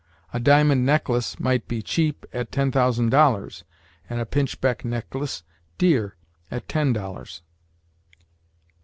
A diamond necklace might be cheap at ten thousand dollars, and a pinchbeck necklace dear at ten dollars.